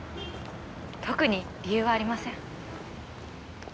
特に理由はありません。